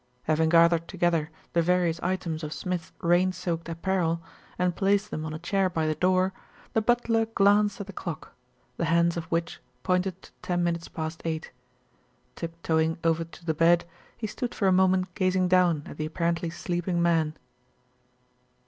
Having gathered together the various items of Smith's rain soaked apparel and placed them on a chair by the door, the butler glanced at the clock, the hands of which pointed to ten minutes past eight. Tip toeing over to the bed, he stood for a moment gazing down at the apparently sleeping man.